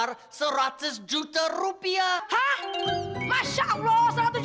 kembali lagi di eviden